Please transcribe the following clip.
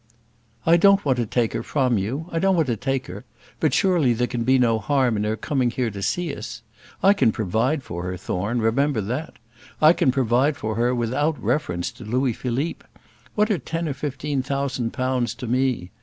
"I don't want to take her from you. I don't want to take her; but surely there can be no harm in her coming here to see us? I can provide for her, Thorne, remember that. I can provide for her without reference to Louis Philippe. What are ten or fifteen thousand pounds to me?